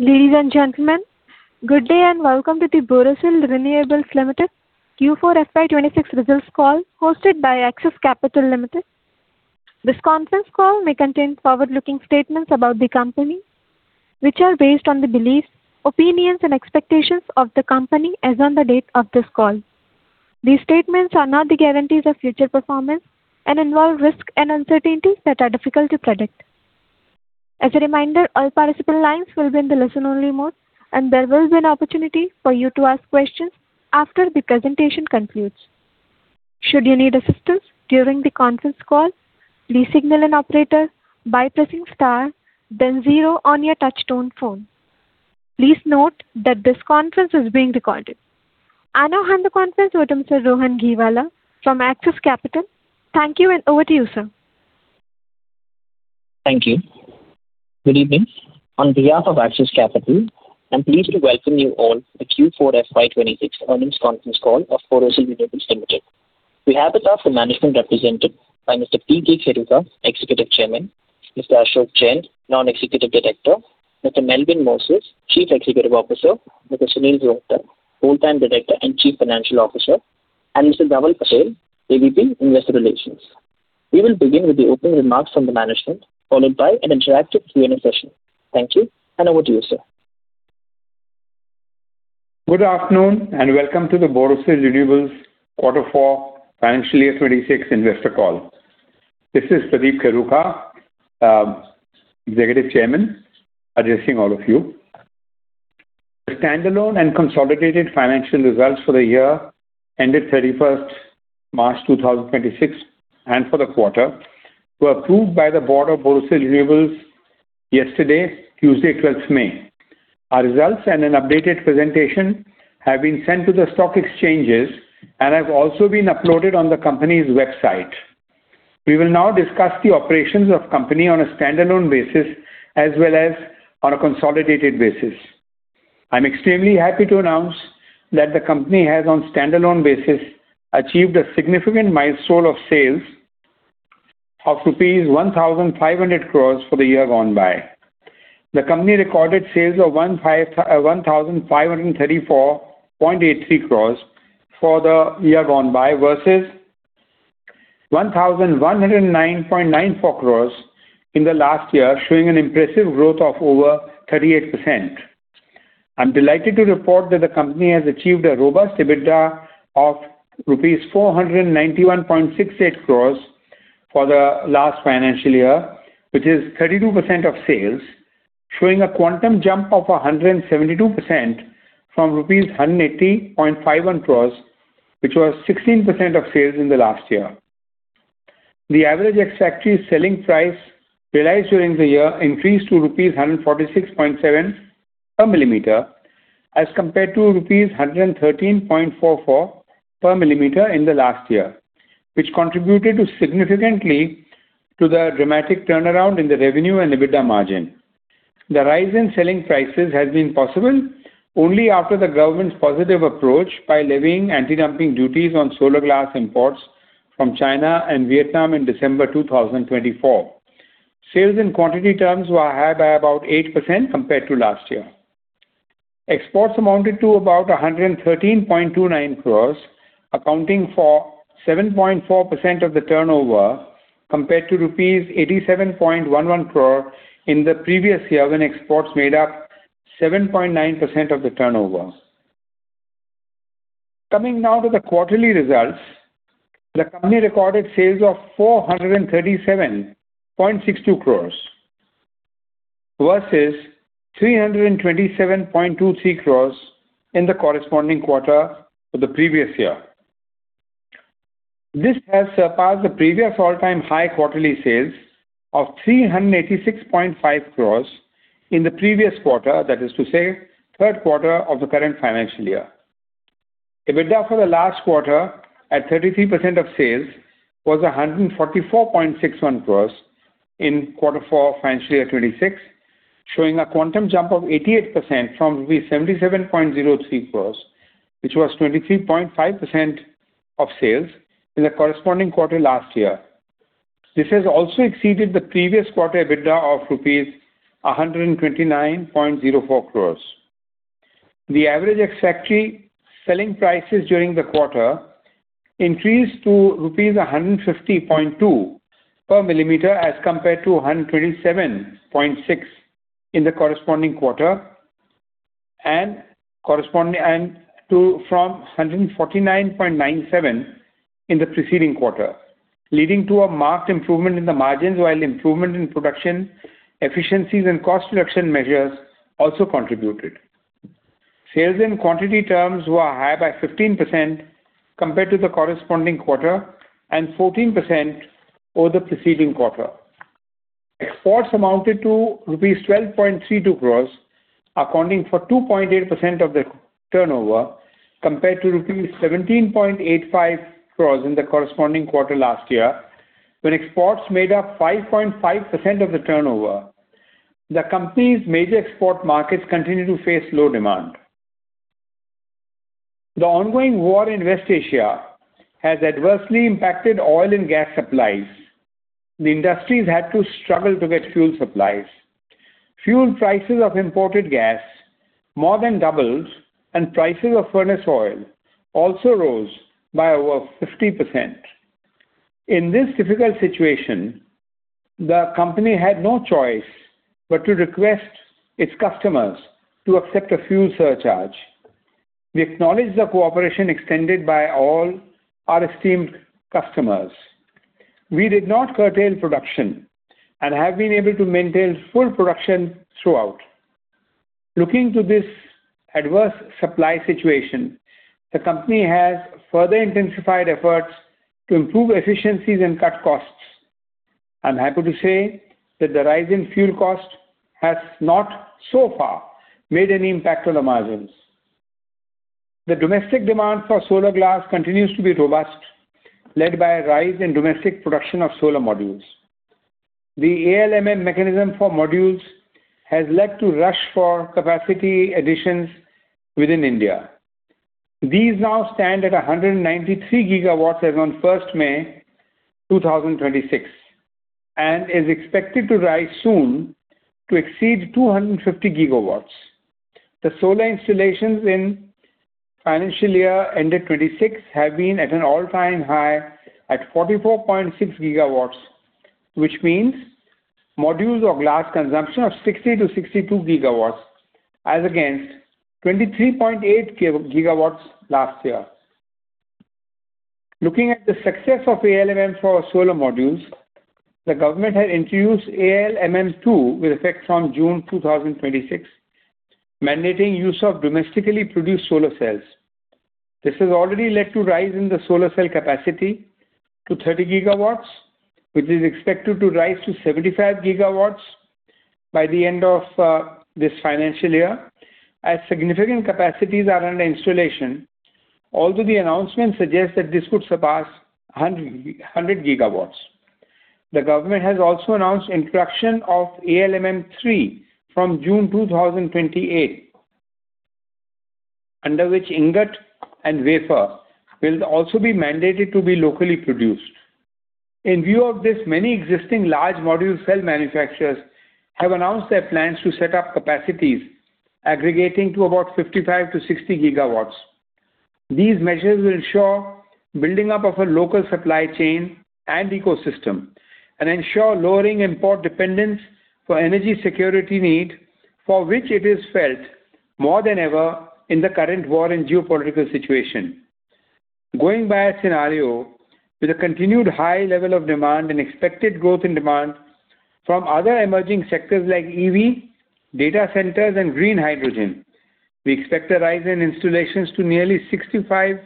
Ladies and gentlemen, good day and welcome to the Borosil Renewables Limited Q4 FY 2026 results call hosted by Axis Capital Limited. This conference call may contain forward-looking statements about the company, which are based on the beliefs, opinions and expectations of the company as on the date of this call. These statements are not the guarantees of future performance and involve risks and uncertainties that are difficult to predict. As a reminder, all participant lines will be in the listen-only mode, and there will be an opportunity for you to ask questions after the presentation concludes. Should you need assistance during the conference call, please signal an operator by pressing star then zero on your touchtone phone. Please note that this conference is being recorded. I now hand the conference over to Mr. Rohan Gheewala from Axis Capital. Thank you and over to you, sir. Thank you. Good evening. On behalf of Axis Capital, I'm pleased to welcome you all to Q4 FY 2026 earnings conference call of Borosil Renewables Limited. We have the staff and management represented by Mr. P.K. Kheruka, Executive Chairman; Mr. Ashok Jain, Non-Executive Director; Mr. Melwyn Moses, Chief Executive Officer; Mr. Sunil Roongta, Whole-time Director and Chief Financial Officer; and Mr. Dhaval Patel, AVP, Investor Relations. We will begin with the opening remarks from the management, followed by an interactive Q&A session. Thank you, and over to you, sir. Good afternoon and welcome to the Borosil Renewables Quarter Four FY 2026 investor call. This is P.K. Kheruka, Executive Chairman, addressing all of you. The standalone and consolidated financial results for the year ended March 31st, 2026 and for the quarter were approved by the Board of Borosil Renewables yesterday, Tuesday, May 12th. Our results and an updated presentation have been sent to the stock exchanges and have also been uploaded on the company's website. We will now discuss the operations of company on a standalone basis as well as on a consolidated basis. I'm extremely happy to announce that the company has, on standalone basis, achieved a significant milestone of sales of rupees 1,500 crore for the year gone by. The company recorded sales of 1,534.83 crore for the year gone by, versus 1,109.94 crore in the last year, showing an impressive growth of over 38%. I'm delighted to report that the company has achieved a robust EBITDA of rupees 491.68 crore for the last financial year, which is 32% of sales, showing a quantum jump of 172% from rupees 180.51 crore, which was 16% of sales in the last year. The average ex-factory selling price realized during the year increased to rupees 146.7/mm as compared to rupees 113.44/mm in the last year, which contributed significantly to the dramatic turnaround in the revenue and EBITDA margin. The rise in selling prices has been possible only after the government's positive approach by levying anti-dumping duties on solar glass imports from China and Vietnam in December 2024. Sales in quantity terms were high by about 8% compared to last year. Exports amounted to about 113.29 crore, accounting for 7.4% of the turnover compared to rupees 87.11 crore in the previous year, when exports made up 7.9% of the turnover. Coming now to the quarterly results. The company recorded sales of 437.62 crore versus 327.23 crore in the corresponding quarter for the previous year. This has surpassed the previous all-time high quarterly sales of 386.5 crore in the previous quarter, that is to say third quarter of the current financial year. EBITDA for the last quarter at 33% of sales was 144.61 crore in quarter four FY 2026, showing a quantum jump of 88% from 77.03 crore, which was 23.5% of sales in the corresponding quarter last year. This has also exceeded the previous quarter EBITDA of rupees 129.04 crore. The average ex-factory selling prices during the quarter increased to rupees 150.2/mm as compared to 127.6 in the corresponding quarter and to from 149.97 in the preceding quarter, leading to a marked improvement in the margins while improvement in production efficiencies and cost reduction measures also contributed. Sales in quantity terms were higher by 15% compared to the corresponding quarter and 14% over the preceding quarter. Exports amounted to rupees 12.32 crore, accounting for 2.8% of the turnover compared to rupees 17.85 crore in the corresponding quarter last year, when exports made up 5.5% of the turnover. The company's major export markets continue to face low demand. The ongoing war in West Asia has adversely impacted oil and gas supplies. The industries had to struggle to get fuel supplies. Fuel prices of imported gas more than doubled, and prices of furnace oil also rose by over 50%. In this difficult situation, the company had no choice but to request its customers to accept a fuel surcharge. We acknowledge the cooperation extended by all our esteemed customers. We did not curtail production and have been able to maintain full production throughout. Looking to this adverse supply situation, the company has further intensified efforts to improve efficiencies and cut costs. I'm happy to say that the rise in fuel cost has not so far made any impact on the margins. The domestic demand for solar glass continues to be robust, led by a rise in domestic production of solar modules. The ALMM mechanism for modules has led to rush for capacity additions within India. These now stand at 193 GW as on May 1, 2026, and is expected to rise soon to exceed 250 GW. The solar installations in financial year ended 2026 have been at an all-time high at 44.6 GW, which means modules of glass consumption of 60 GW-62 GW as against 23.8 GW last year. Looking at the success of ALMM for solar modules, the government has introduced ALMM II with effect from June 2026, mandating use of domestically produced solar cells. This has already led to rise in the solar cell capacity to 30 GW, which is expected to rise to 75 GW by the end of this financial year as significant capacities are under installation. The announcement suggests that this could surpass 100 GW. The government has also announced introduction of ALMM III from June 2028, under which ingot and wafer will also be mandated to be locally produced. In view of this, many existing large module cell manufacturers have announced their plans to set up capacities aggregating to about 55 GW-60 GW. These measures will ensure building up of a local supply chain and ecosystem and ensure lowering import dependence for energy security need, for which it is felt more than ever in the current war and geopolitical situation. Going by a scenario with a continued high level of demand and expected growth in demand from other emerging sectors like EV, data centers and green hydrogen, we expect a rise in installations to nearly 65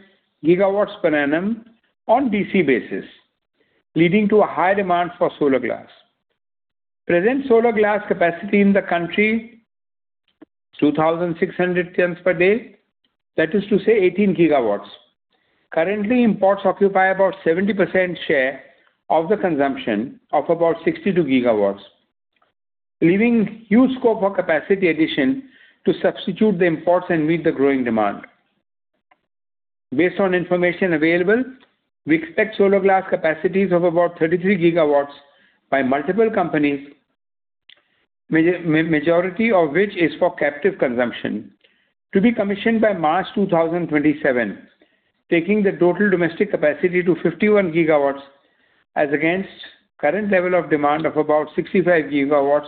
GW/annum on DC basis, leading to a high demand for solar glass. Present solar glass capacity in the country 2,600 tons/day. That is to say 18 GW. Currently, imports occupy about 70% share of the consumption of about 62 GW, leaving huge scope for capacity addition to substitute the imports and meet the growing demand. Based on information available, we expect solar glass capacities of about 33 GW by multiple companies, majority of which is for captive consumption to be commissioned by March 2027, taking the total domestic capacity to 51 GW as against current level of demand of about 65 GW,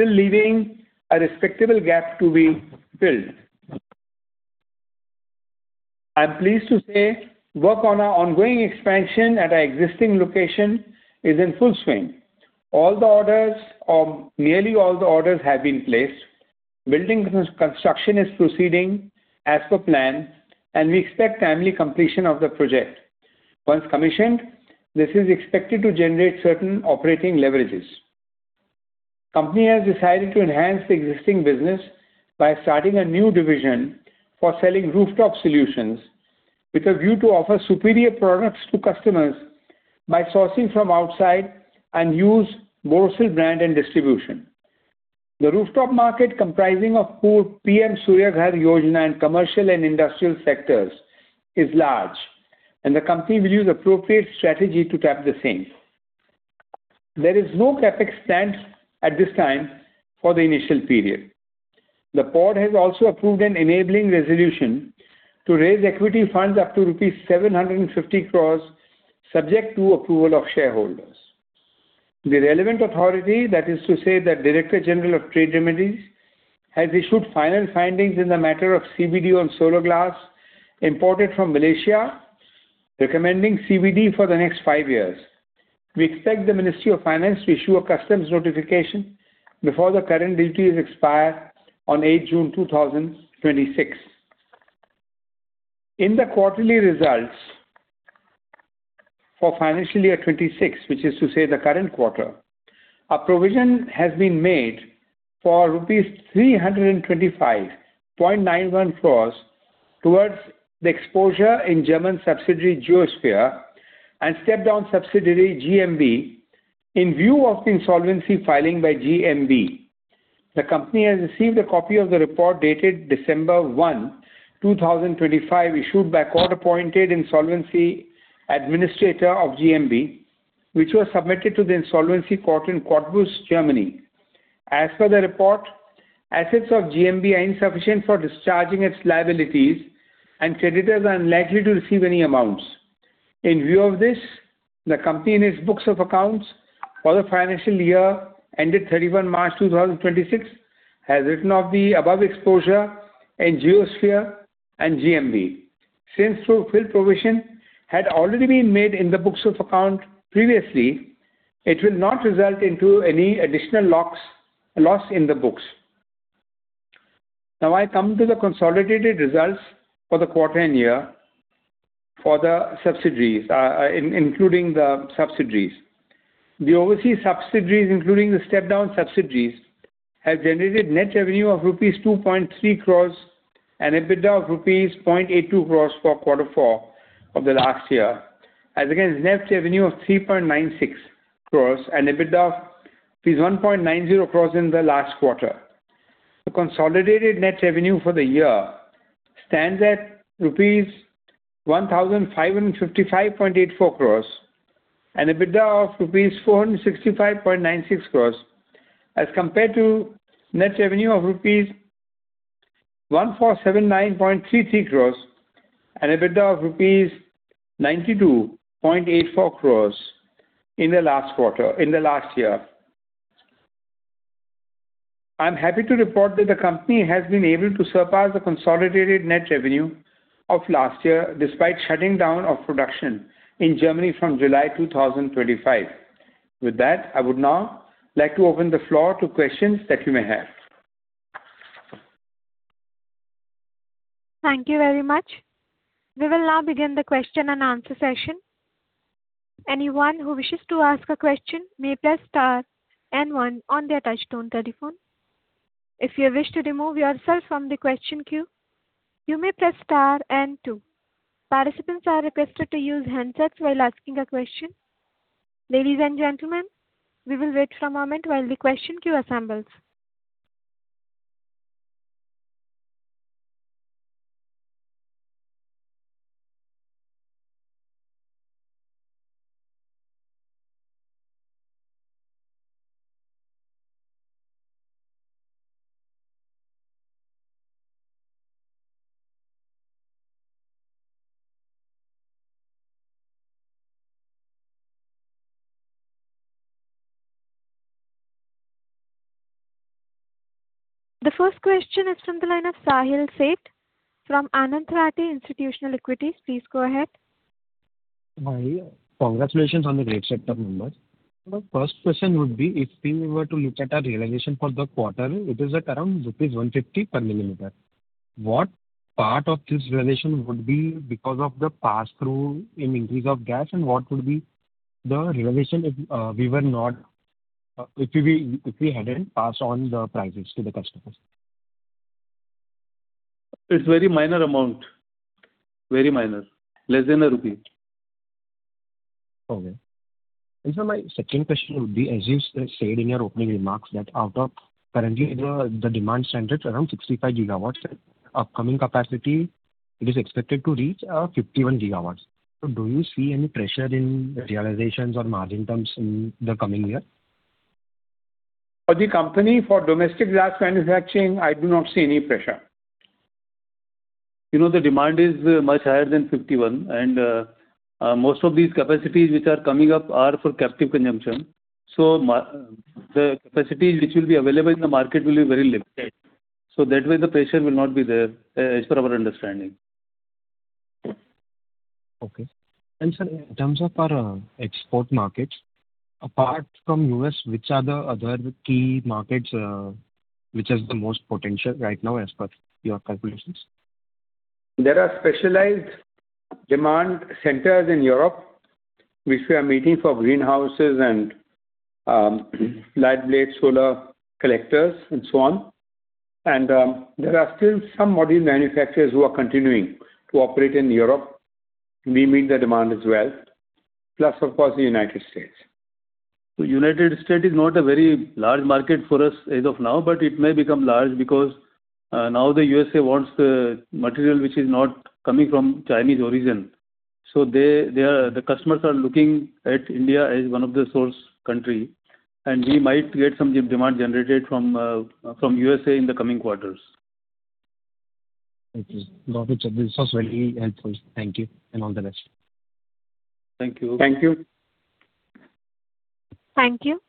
still leaving a respectable gap to be filled. I'm pleased to say work on our ongoing expansion at our existing location is in full swing. All the orders or nearly all the orders have been placed. Building construction is proceeding as per plan, and we expect timely completion of the project. Once commissioned, this is expected to generate certain operating leverages. Company has decided to enhance the existing business by starting a new division for selling rooftop solutions with a view to offer superior products to customers by sourcing from outside and use Borosil brand and distribution. The rooftop market, comprising of PM Surya Ghar Yojana and commercial and industrial sectors, is large, and the company will use appropriate strategy to tap the same. There is no CapEx spend at this time for the initial period. The board has also approved an enabling resolution to raise equity funds up to rupees 750 crore subject to approval of shareholders. The relevant authority, that is to say the Directorate General of Trade Remedies, has issued final findings in the matter of CVD on solar glass imported from Malaysia, recommending CVD for the next five years. We expect the Ministry of Finance to issue a customs notification before the current duty is expired on June 8, 2026. In the quarterly results for financial year 2026, which is to say the current quarter, a provision has been made for rupees 325.91 crore towards the exposure in German subsidiary Geosphere and step-down subsidiary GMB in view of the insolvency filing by GMB. The company has received a copy of the report dated December 1, 2025, issued by court-appointed insolvency administrator of GMB, which was submitted to the insolvency court in Cottbus, Germany. As per the report, assets of GMB are insufficient for discharging its liabilities and creditors are unlikely to receive any amounts. In view of this, the company in its books of accounts for the financial year ended March 31, 2026 has written off the above exposure in Geosphere and GMB. Since fulfilled provision had already been made in the books of account previously, it will not result into any additional loss in the books. Now I come to the consolidated results for the quarter and year for the subsidiaries, including the subsidiaries. The overseas subsidiaries, including the step-down subsidiaries, have generated net revenue of rupees 2.3 crore and EBITDA of rupees 0.82 crore for quarter four of the last year, as against net revenue of 3.96 crore and EBITDA of rupees 1.90 crore in the last quarter. The consolidated net revenue for the year stands at rupees 1,555.84 crore and EBITDA of rupees 465.96 crore as compared to net revenue of rupees 1,479.33 crore and EBITDA of rupees 92.84 crore in the last year. I am happy to report that the company has been able to surpass the consolidated net revenue of last year despite shutting down of production in Germany from July 2025. I would now like to open the floor to questions that you may have. Thank you very much. We will now begin the question-and-answer session. Anyone who wishes to ask a question may press star and one on their touchtone telephone. If you wish to remove yourself from the question queue, you may press star and two. Participants are requested to use handsets while asking a question. Ladies and gentlemen, we will wait for a moment while the question queue assembles. The first question is from the line of Sahil Sheth from Anand Rathi Institutional Equities. Please go ahead. Hi. Congratulations on the great set of numbers. My first question would be if we were to look at our realization for the quarter, it is at around rupees 150/mm. What part of this realization would be because of the pass-through in increase of gas and what would be the realization if we were not, if we hadn't passed on the prices to the customers? It's very minor amount. Very minor. Less than INR 1. Okay. Sir, my second question would be, as you said in your opening remarks, that out of currently the demand stands at around 65 GW, upcoming capacity it is expected to reach, 51 GW. Do you see any pressure in realizations or margin terms in the coming year? For the company, for domestic glass manufacturing, I do not see any pressure. You know, the demand is much higher than 51 GW, and most of these capacities which are coming up are for captive consumption. The capacity which will be available in the market will be very limited. That way the pressure will not be there, as per our understanding. Okay. Sir, in terms of our export markets, apart from U.S., which are the other key markets, which has the most potential right now as per your calculations? There are specialized demand centers in Europe which we are meeting for greenhouses and flat plate solar collectors and so on. There are still some module manufacturers who are continuing to operate in Europe. We meet their demand as well, plus of course the United States. The United States is not a very large market for us as of now, but it may become large because now the U.S.A wants the material which is not coming from Chinese origin. The customers are looking at India as one of the source country, and we might get some demand generated from U.S.A in the coming quarters. Thank you. Lots of business. Very helpful. Thank you, and all the best. Thank you. Thank you.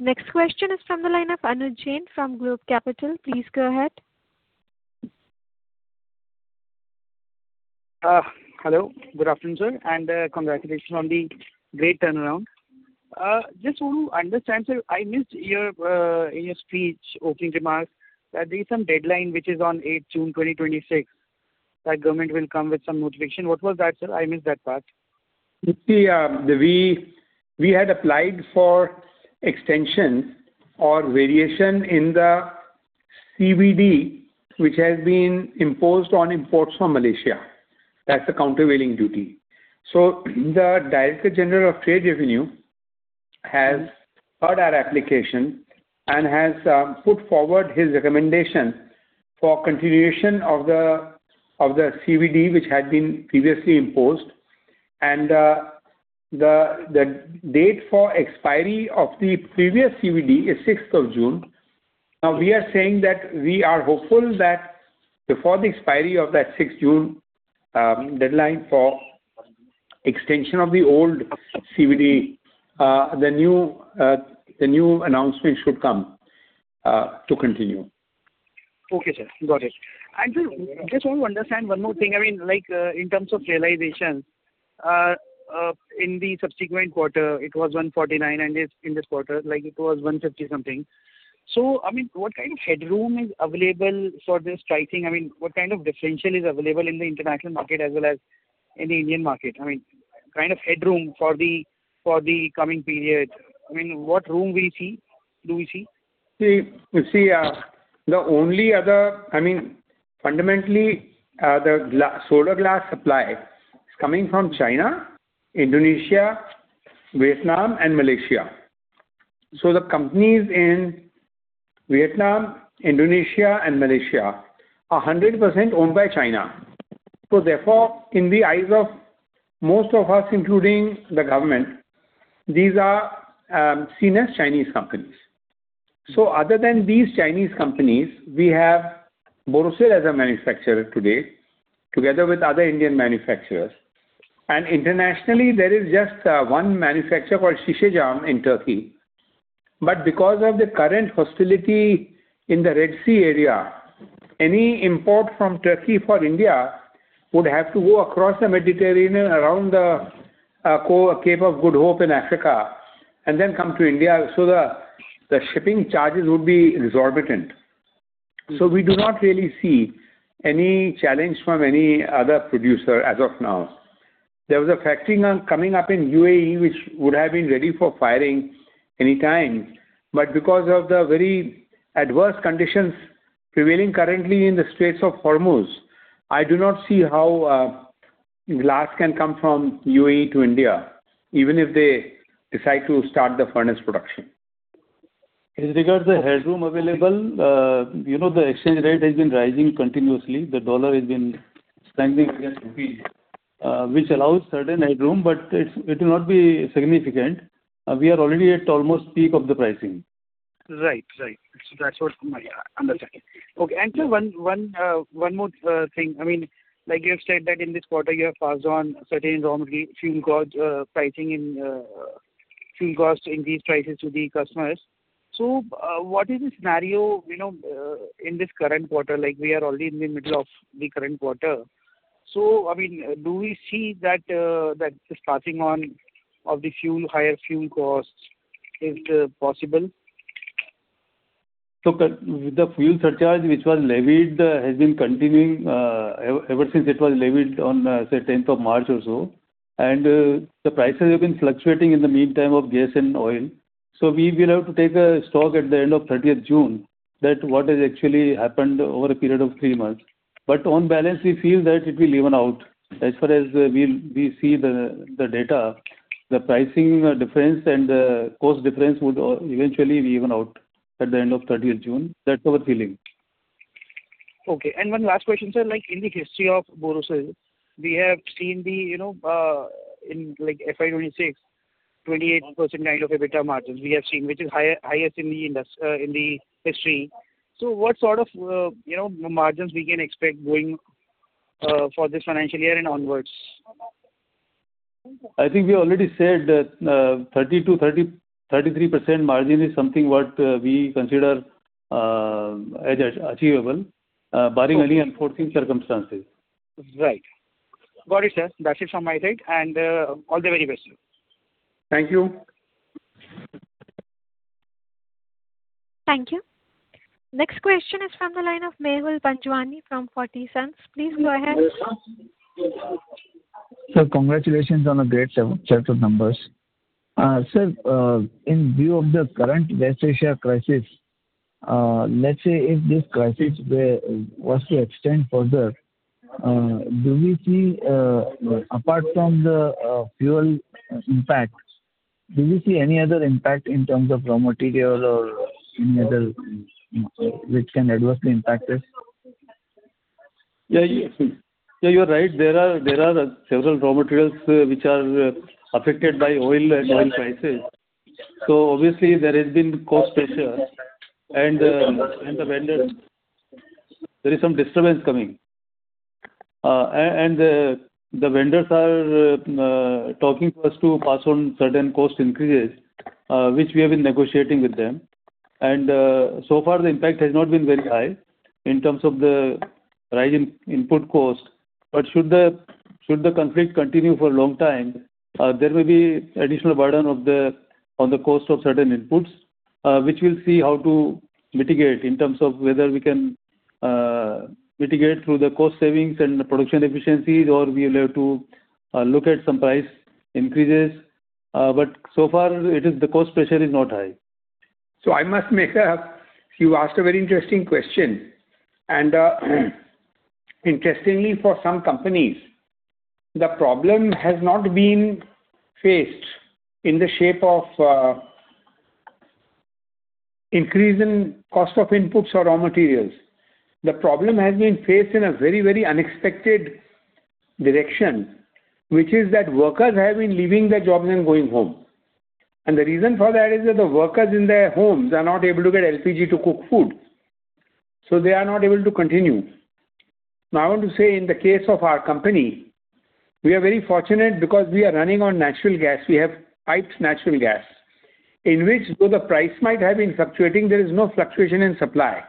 Next question is from the line of Anuj Jain from Globe Capital. Please go ahead. Hello. Good afternoon, sir, and congratulations on the great turnaround. Just to understand, sir, I missed your in your speech, opening remarks, that there is some deadline which is on June 8, 2026, that government will come with some notification. What was that, sir? I missed that part. You see, we had applied for extension or variation in the CVD, which has been imposed on imports from Malaysia, that's a countervailing duty. The Directorate General of Trade Remedies has heard our application and has put forward his recommendation for continuation of the CVD which had been previously imposed. The date for expiry of the previous CVD is of June 6th. We are saying that we are hopeful that before the expiry of that June 6th deadline for extension of the old CVD, the new announcement should come to continue. Okay, sir. Got it. Sir, just want to understand one more thing. I mean, like, in terms of realization, in the subsequent quarter, it was 149, and it's in this quarter, like it was 150 something. I mean, what kind of headroom is available for this pricing? I mean, what kind of differential is available in the international market as well as in the Indian market? I mean, kind of headroom for the, for the coming period. I mean, what room do we see? See, you see, the only other I mean, fundamentally, solar glass supply is coming from China, Indonesia, Vietnam, and Malaysia. The companies in Vietnam, Indonesia, and Malaysia are 100% owned by China. Therefore, in the eyes of most of us, including the government, these are seen as Chinese companies. Other than these Chinese companies, we have Borosil as a manufacturer today, together with other Indian manufacturers. Internationally, there is just one manufacturer called Şişecam in Turkey. Because of the current hostility in the Red Sea area, any import from Turkey for India would have to go across the Mediterranean, around the Cape of Good Hope in Africa, and then come to India, so the shipping charges would be exorbitant. We do not really see any challenge from any other producer as of now. There was a factory now coming up in U.A.E, which would have been ready for firing anytime. Because of the very adverse conditions prevailing currently in the Straits of Hormuz, I do not see how glass can come from U.A.E to India, even if they decide to start the furnace production. In regard to the headroom available, you know, the exchange rate has been rising continuously. The dollar has been strengthening against rupee, which allows certain headroom, but it will not be significant. We are already at almost peak of the pricing. Right. Right. That's what my understanding. Okay. Sir, one more thing. I mean, like you have said that in this quarter, you have passed on certain enormous fuel cost pricing in fuel costs increased prices to the customers. What is the scenario, you know, in this current quarter? Like, we are already in the middle of the current quarter. I mean, do we see that the passing on of the fuel, higher fuel costs is possible? The fuel surcharge which was levied has been continuing ever since it was levied on, say, March 10th or so. The prices have been fluctuating in the meantime of gas and oil. We will have to take a stock at the end of June 30 that what has actually happened over a period of three months. On balance, we feel that it will even out. As far as we see the data, the pricing difference and the cost difference would eventually even out at the end of June 30. That's our feeling. One last question, sir. Like, in the history of Borosil, we have seen the, you know, in like FY 2026, 28% kind of EBITDA margins we have seen, which is highest in the history. What sort of, you know, margins we can expect going for this financial year and onwards? I think we already said that, 30%-33% margin is something what we consider as achievable, barring any unforeseen circumstances. Right. Got it, sir. That's it from my side, and, all the very best, sir. Thank you. Thank you. Next question is from the line of Mehul Panjwani from 40 Cents. Please go ahead. Sir, congratulations on a great set of numbers. Sir, in view of the current West Asia crisis, let's say if this crisis was to extend further, do we see apart from the fuel impact, do we see any other impact in terms of raw material or any other impact which can adversely impact this? Yeah, you're right. There are several raw materials, which are affected by oil and oil prices. Obviously, there has been cost pressure and the vendors, there is some disturbance coming. And the vendors are talking to us to pass on certain cost increases, which we have been negotiating with them. So far the impact has not been very high in terms of the rise in input cost. Should the conflict continue for a long time, there may be additional burden on the cost of certain inputs, which we'll see how to mitigate in terms of whether we can mitigate through the cost savings and the production efficiencies, or we'll have to look at some price increases. So far it is the cost pressure is not high. You asked a very interesting question, interestingly, for some companies, the problem has not been faced in the shape of increase in cost of inputs or raw materials. The problem has been faced in a very, very unexpected direction, which is that workers have been leaving their jobs and going home. The reason for that is that the workers in their homes are not able to get LPG to cook food, so they are not able to continue. I want to say in the case of our company, we are very fortunate because we are running on natural gas. We have piped natural gas, in which though the price might have been fluctuating, there is no fluctuation in supply.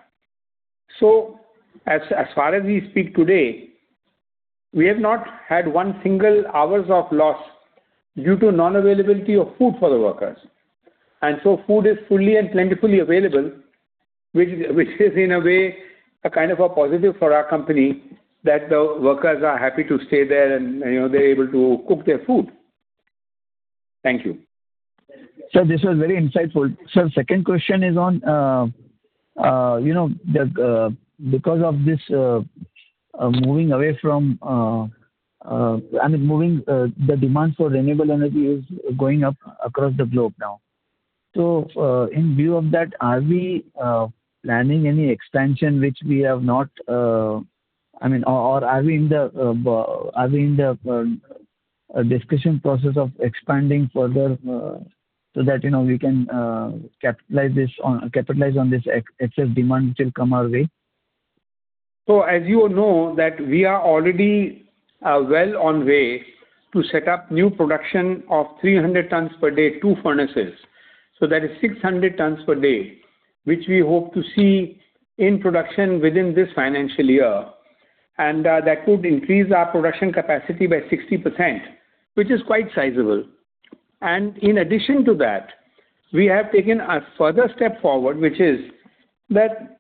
As far as we speak today, we have not had one single hours of loss due to non-availability of food for the workers. Food is fully and plentifully available, which is in a way a kind of a positive for our company, that the workers are happy to stay there and, you know, they're able to cook their food. Thank you. Sir, this was very insightful. Sir, second question is on, you know, the, because of this, the demand for renewable energy is going up across the globe now. In view of that, are we planning any expansion which we have not, or are we in the discussion process of expanding further, so that, you know, we can capitalize on this excess demand which will come our way? As you know that we are already well on way to set up new production of 300 tons/day, two furnaces. That is 600 tons/day, which we hope to see in production within this financial year. That could increase our production capacity by 60%, which is quite sizable. In addition to that, we have taken a further step forward, which is that,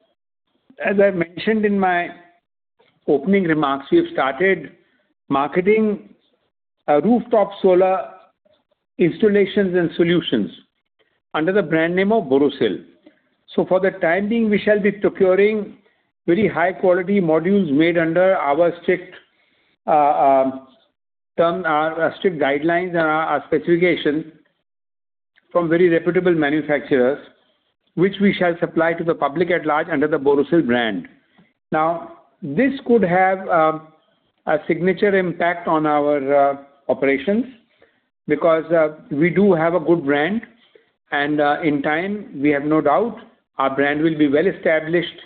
as I mentioned in my opening remarks, we have started marketing rooftop solar installations and solutions under the brand name of Borosil. For the time being, we shall be procuring very high quality modules made under our strict term strict guidelines and specifications from very reputable manufacturers, which we shall supply to the public at large under the Borosil brand. This could have a signature impact on our operations because we do have a good brand and in time, we have no doubt our brand will be well established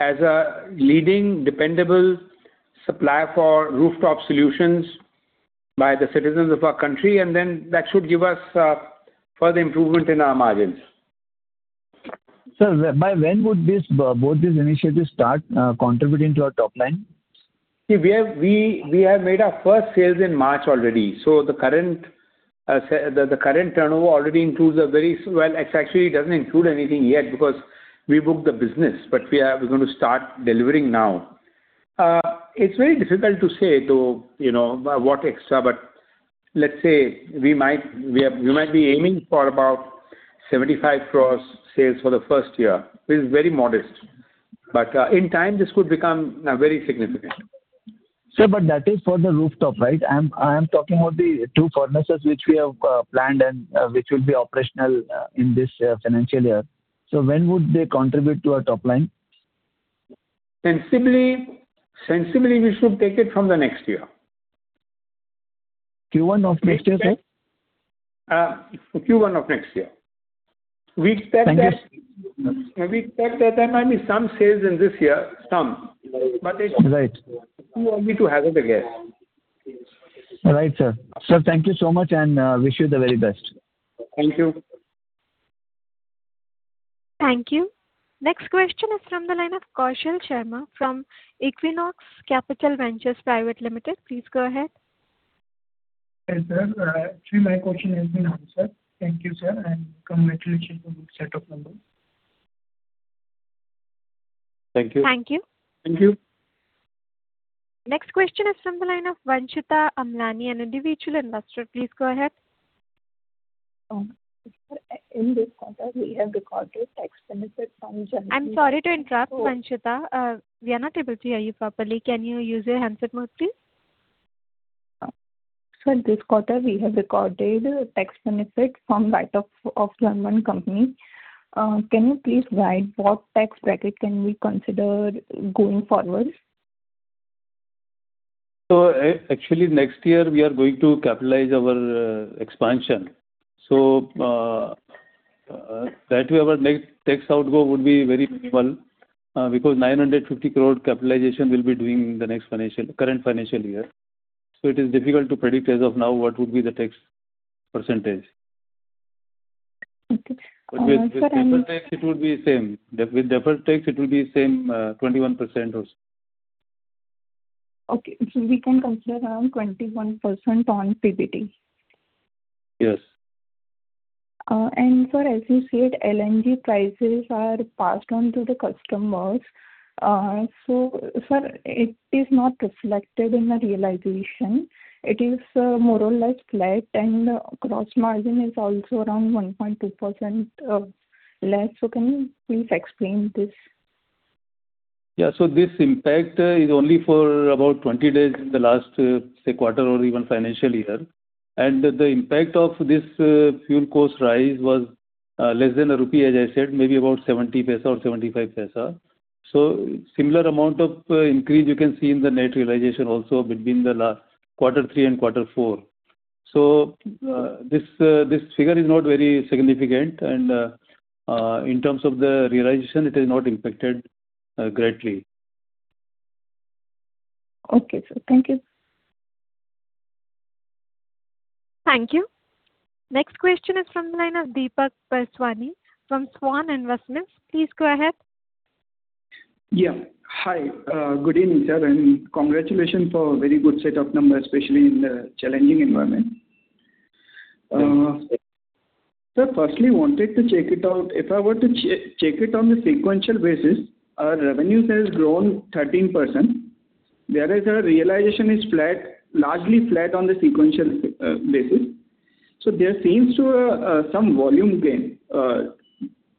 as a leading, dependable supplier for rooftop solutions by the citizens of our country. That should give us further improvement in our margins. Sir, by when would this, both these initiatives start, contributing to our top line? We have made our first sales in March already. The current turnover already includes a very Well, it actually doesn't include anything yet because we booked the business, but we're gonna start delivering now. It's very difficult to say to, you know, what extra, but let's say we might be aiming for about 75 crore sales for the first year, which is very modest. In time this could become very significant. Sir, that is for the rooftop, right? I'm talking about the two furnaces which we have planned and which will be operational in this financial year. When would they contribute to our top line? Sensibly, we should take it from the next year. Q1 of next year, sir? Q1 of next year. Thank you. We expect that there might be some sales in this year, some. Right. Too early to hazard a guess. All right, sir. Sir, thank you so much, and wish you the very best. Thank you. Thank you. Next question is from the line of Kaushal Sharma from Equinox Capital Venture Private Limited. Please go ahead. Yes, ma'am. Actually my question has been answered. Thank you, sir, and congratulations on set of numbers. Thank you. Thank you. Thank you. Next question is from the line of Vanshita Amlani, an individual investor. Please go ahead. Sir, in this quarter we have recorded tax benefit from German- I'm sorry to interrupt, Vanshita. We are not able to hear you properly. Can you use your handset mode, please? Sir, this quarter we have recorded tax benefit from buyback of German company. Can you please guide what tax bracket can we consider going forward? Actually, next year we are going to capitalize our expansion. That way our next tax outflow would be very minimal because 950 crore capitalization we'll be doing in the current financial year. It is difficult to predict as of now what would be the tax percentage. Okay. With deferred tax it would be same. With deferred tax it will be same, 21% or so. Okay. We can consider around 21% on PBT. Yes. Sir, as you said, LNG prices are passed on to the customers. Sir, it is not reflected in the realization. It is, more or less flat, and gross margin is also around 1.2% less. Can you please explain this? Yeah. This impact is only for about 20 days in the last, say, quarter or even financial year. The impact of this fuel cost rise was less than INR 1, as I said, maybe about 0.70 or 0.75. Similar amount of increase you can see in the net realization also between the last quarter three and quarter four. This figure is not very significant and in terms of the realization, it is not impacted greatly. Okay, sir. Thank you. Thank you. Next question is from the line of Deepak Purswani from Swan Investments. Please go ahead. Yeah. Hi. Good evening, sir, and congratulations for a very good set of numbers, especially in the challenging environment. Thank you. Sir, firstly, wanted to check it out. If I were to check it on the sequential basis, our revenues has grown 13%, whereas our realization is flat, largely flat on the sequential basis. There seems to some volume gain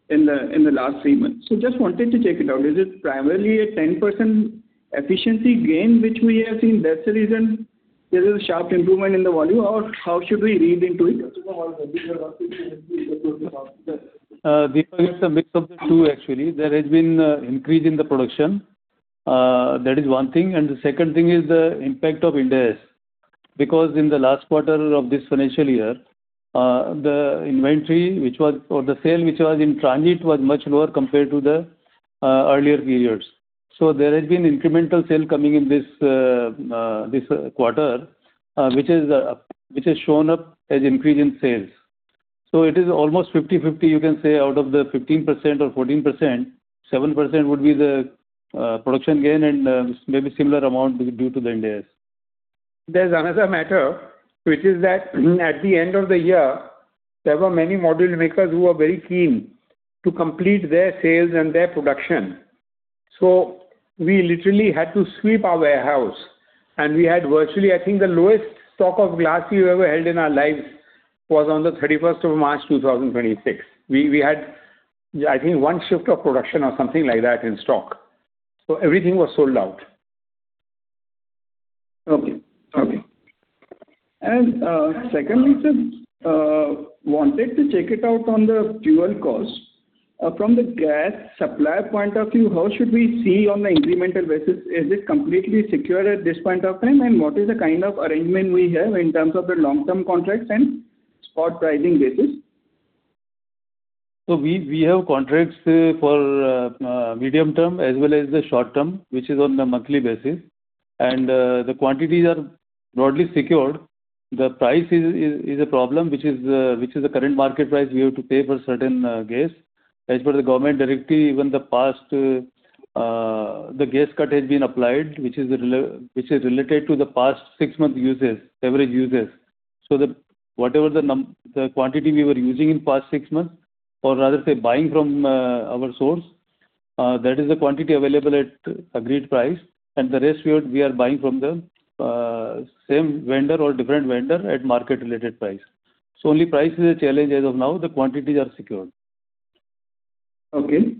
in the last three months. Just wanted to check it out. Is it primarily a 10% efficiency gain, which we have seen that's the reason there is a sharp improvement in the volume, or how should we read into it? Deepak, it's a mix of the two actually. There has been a increase in the production. That is one thing. The second thing is the impact of Ind AS. In the last quarter of this financial year, the inventory which was or the sale which was in transit was much lower compared to the earlier periods. There has been incremental sale coming in this this quarter, which is which has shown up as increase in sales. It is almost 50/50, you can say, out of the 15% or 14%, 7% would be the production gain and maybe similar amount due to the Ind AS. There's another matter, which is that at the end of the year, there were many module makers who were very keen to complete their sales and their production. We literally had to sweep our warehouse, and we had virtually, I think, the lowest stock of glass we've ever held in our lives was on the March 31st, 2026. We had, I think, one shift of production or something like that in stock. Everything was sold out. Okay. Okay. Secondly, sir, wanted to check it out on the fuel cost. From the gas supplier point of view, how should we see on the incremental basis? Is it completely secure at this point of time? What is the kind of arrangement we have in terms of the long-term contracts and spot pricing basis? We have contracts for medium-term as well as the short-term, which is on a monthly basis. The quantities are broadly secured. The price is a problem, which is the current market price we have to pay for certain gas. As per the government directive, even the past, the gas cut has been applied, which is related to the past six month usage, average usage. Whatever the quantity we were using in past six months, or rather say buying from our source, that is the quantity available at agreed price. The rest we are buying from the same vendor or different vendor at market related price. Only price is a challenge as of now. The quantities are secured. Okay.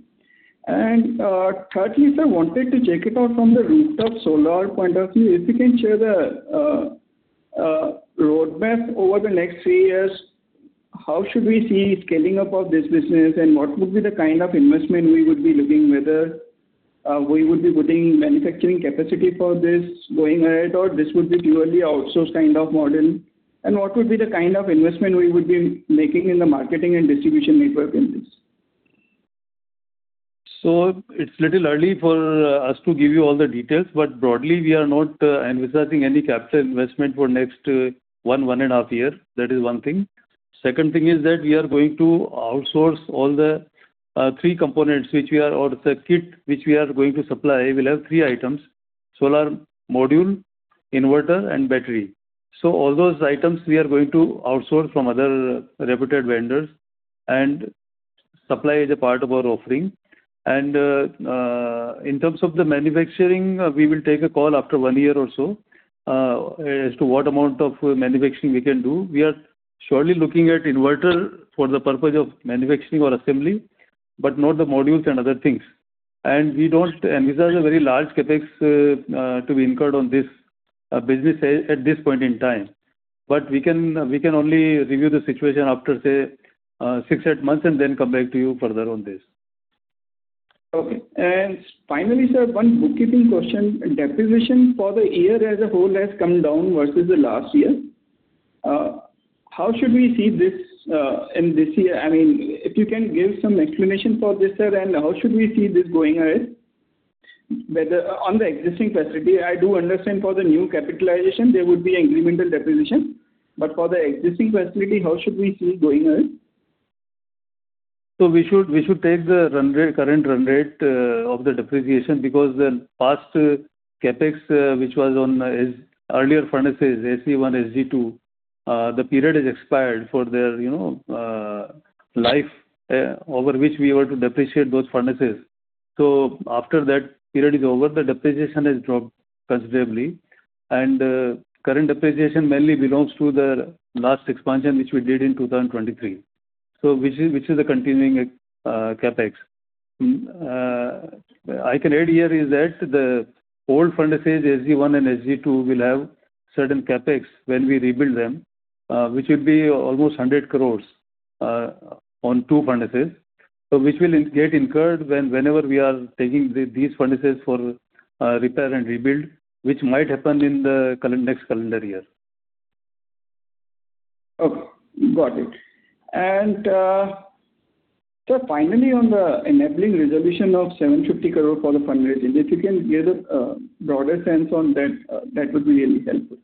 Thirdly, sir, wanted to check it out from the rooftop solar point of view. If you can share the roadmap over the next three years, how should we see scaling up of this business, and what would be the kind of investment we would be looking, whether, we would be putting manufacturing capacity for this going ahead, or this would be purely outsource kind of model? What would be the kind of investment we would be making in the marketing and distribution network in this? It's little early for us to give you all the details, but broadly, we are not envisaging any capital investment for next 1.5 years. That is one thing. Second thing is that we are going to outsource all the three components or the kit which we are going to supply will have three items: solar module, inverter, and battery. All those items we are going to outsource from other reputed vendors and supply as a part of our offering. In terms of the manufacturing, we will take a call after one year or so, as to what amount of manufacturing we can do. We are surely looking at inverter for the purpose of manufacturing or assembly, but not the modules and other things. We don't envisage a very large CapEx to be incurred on this business at this point in time. We can only review the situation after, say, six, eight months and then come back to you further on this. Okay. Finally, sir, one bookkeeping question. Depreciation for the year as a whole has come down versus the last year. How should we see this in this year? I mean, if you can give some explanation for this, sir, and how should we see this going ahead? On the existing facility, I do understand for the new capitalization there would be incremental depreciation. For the existing facility, how should we see it going ahead? We should take the run rate, current run rate of the depreciation because the past CapEx, which was on earlier furnaces, SG-1, SG-2, the period is expired for their, you know, life over which we were to depreciate those furnaces. After that period is over, the depreciation has dropped considerably. Current depreciation mainly belongs to the last expansion, which we did in 2023. Which is a continuing CapEx. I can add here is that the old furnaces, SG-1 and SG-2, will have certain CapEx when we rebuild them, which will be almost 100 crore on two furnaces. Which will get incurred whenever we are taking these furnaces for repair and rebuild, which might happen in the next calendar year. Okay. Got it. So finally, on the enabling resolution of 750 crore for the fundraise, if you can give a broader sense on that would be really helpful.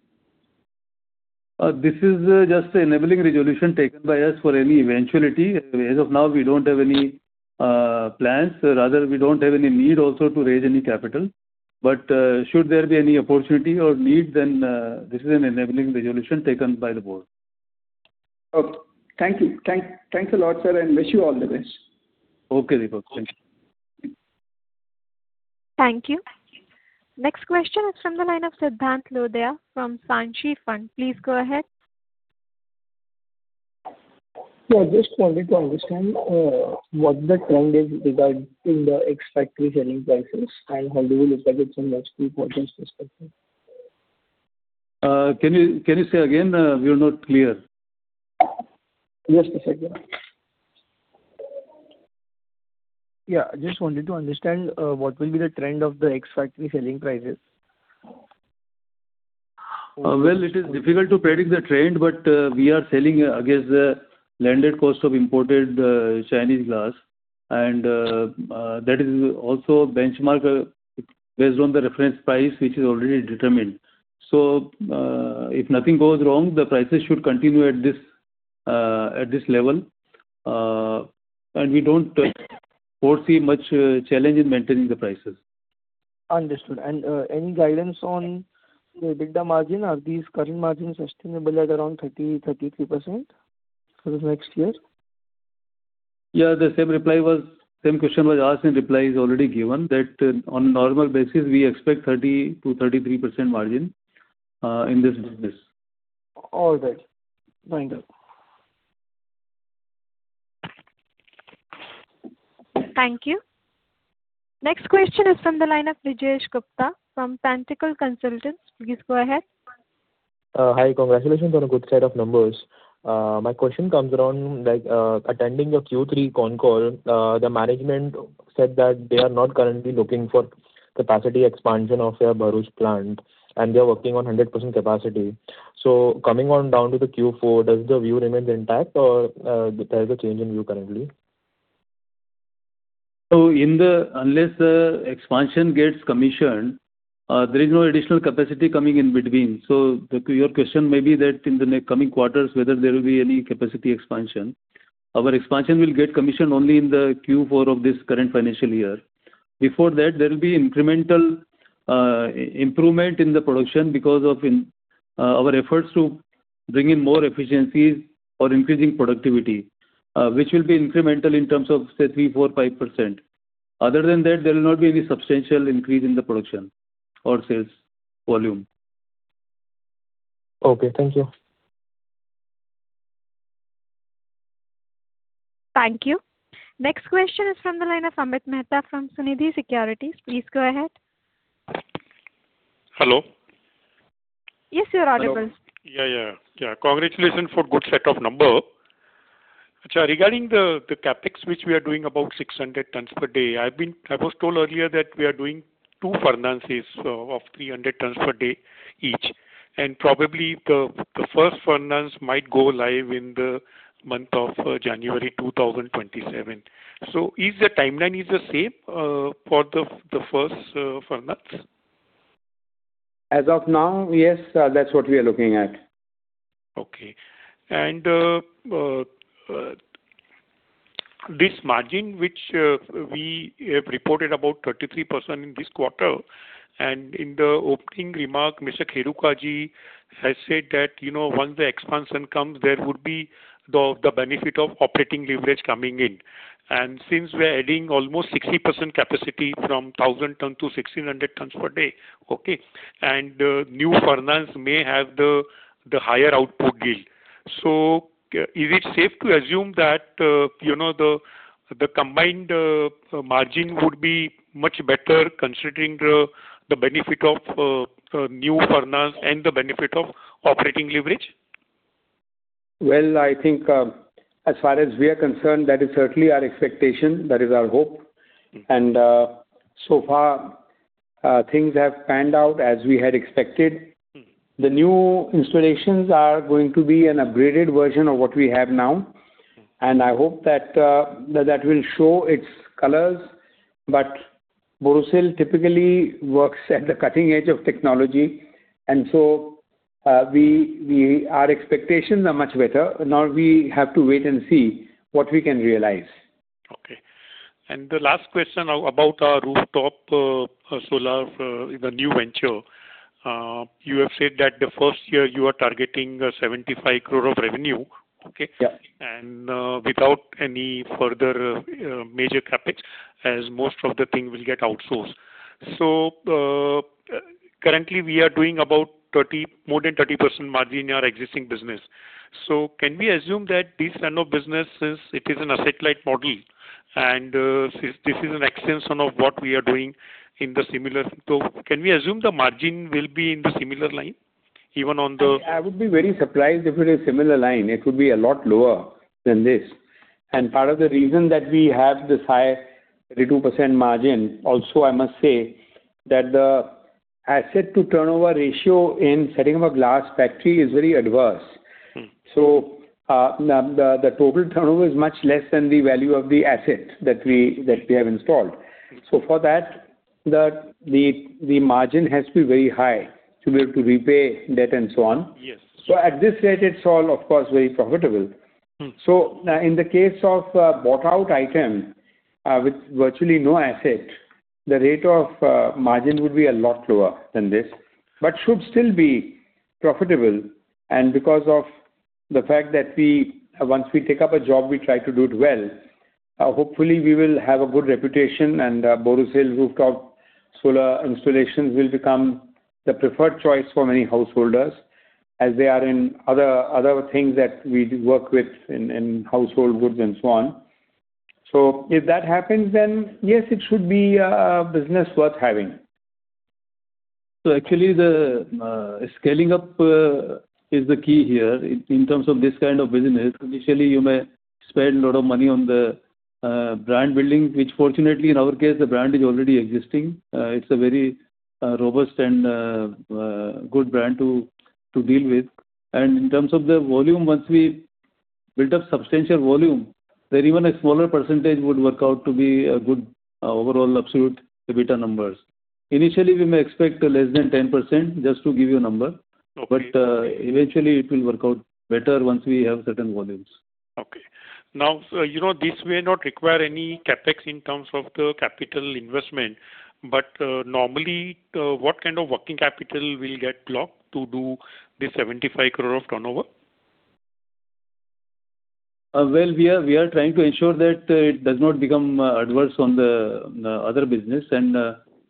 This is just enabling resolution taken by us for any eventuality. As of now, we don't have any plans. Rather, we don't have any need also to raise any capital. Should there be any opportunity or need, then this is an enabling resolution taken by the board. Okay. Thank you. Thanks a lot, sir. Wish you all the best. Okay, Deepak. Thank you. Thank you. Next question is from the line of Sidhaant Lodaya from Sanshi Fund. Please go ahead. Yeah, just wanted to understand what the trend is regarding the ex-factory selling prices and how do you look at it from the street performance perspective? Can you say again? You're not clear. Just a second. Just wanted to understand what will be the trend of the ex-factory selling prices. Well, it is difficult to predict the trend, but we are selling against the landed cost of imported Chinese glass and that is also benchmark based on the reference price, which is already determined. If nothing goes wrong, the prices should continue at this level. We don't foresee much challenge in maintaining the prices. Understood. Any guidance on EBITDA margin? Are these current margins sustainable at around 30%-33% for the next year? The same reply was same question was asked and reply is already given that on normal basis we expect 30%-33% margin in this business. All right. Thank you. Thank you. Next question is from the line of [Vijesh Gupta] from [Panthecon] Consultants. Please go ahead. Hi. Congratulations on a good set of numbers. My question comes around, like, attending your Q3 con call, the management said that they are not currently looking for capacity expansion of your Bharuch plant and they're working on 100% capacity. Coming on down to the Q4, does the view remain intact or there's a change in view currently? Unless expansion gets commissioned, there is no additional capacity coming in between. Your question may be that in the coming quarters whether there will be any capacity expansion. Our expansion will get commissioned only in the Q4 of this current financial year. Before that, there will be incremental improvement in the production because of our efforts to bring in more efficiencies or increasing productivity, which will be incremental in terms of, say, 3%, 4%, 5%. Other than that, there will not be any substantial increase in the production or sales volume. Okay. Thank you. Thank you. Next question is from the line of Amit Mehta from Sunidhi Securities. Please go ahead. Hello. Yes, you're audible. Hello. Yeah, congratulations for good set of number. Regarding the CapEx which we are doing about 600 tons/day, I was told earlier that we are doing two furnaces of 300 tons/day each, and probably the first furnace might go live in the month of January 2027. Is the timeline the same for the first furnace? As of now, yes, that's what we are looking at. Okay. This margin which we have reported about 33% in this quarter, and in the opening remark, Mr. Kheruka Ji has said that, you know, once the expansion comes, there would be the benefit of operating leverage coming in. Since we are adding almost 60% capacity from 1,000 ton/day-1,600 tons/day, okay, and the new furnace may have the higher output yield. Is it safe to assume that, you know, the combined margin would be much better considering the benefit of new furnace and the benefit of operating leverage? I think, as far as we are concerned, that is certainly our expectation, that is our hope. So far, things have panned out as we had expected. The new installations are going to be an upgraded version of what we have now. I hope that will show its colors. Borosil typically works at the cutting edge of technology. Our expectations are much better. Now we have to wait and see what we can realize. Okay. The last question about our rooftop solar, the new venture. You have said that the first year you are targeting 75 crore of revenue, okay? Yeah. Without any further, major CapEx, as most of the things will get outsourced. Currently we are doing about 30%, more than 30% margin in our existing business. Can we assume that this kind of business is an asset-light model, and, since this is an extension of what we are doing, can we assume the margin will be in the similar line. I would be very surprised if it is similar line. It would be a lot lower than this. Part of the reason that we have this high 32% margin, also, I must say, that the asset to turnover ratio in setting up a glass factory is very adverse. The total turnover is much less than the value of the asset that we have installed. For that, the margin has to be very high to be able to repay debt and so on. Yes. At this rate, it's all of course, very profitable. In the case of bought out item with virtually no asset, the rate of margin would be a lot lower than this, but should still be profitable. Because of the fact that once we take up a job, we try to do it well, hopefully we will have a good reputation and Borosil rooftop solar installations will become the preferred choice for many householders, as they are in other things that we do work with in household goods and so on. If that happens, then yes, it should be a business worth having. Actually the scaling up is the key here in terms of this kind of business. Initially, you may spend a lot of money on the brand building, which fortunately in our case, the brand is already existing. It's a very robust and good brand to deal with. In terms of the volume, once we build up substantial volume, where even a smaller percentage would work out to be a good overall absolute EBITDA numbers. Initially, we may expect less than 10%, just to give you a number. Okay. Eventually it will work out better once we have certain volumes. Okay. you know, this may not require any CapEx in terms of the capital investment, but normally, what kind of working capital will get locked to do the 75 crore of turnover? Well, we are trying to ensure that it does not become adverse on the other business, and